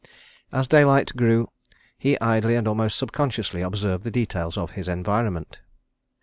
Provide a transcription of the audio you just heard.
... As daylight grew, he idly and almost subconsciously observed the details of his environment.